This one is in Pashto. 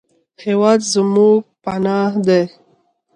هېواد زموږ پناه دی